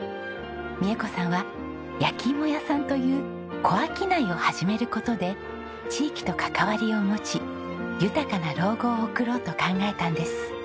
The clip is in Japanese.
美恵子さんは焼き芋屋さんという小商いを始める事で地域と関わりを持ち豊かな老後を送ろうと考えたんです。